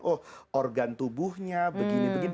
oh organ tubuhnya begini begini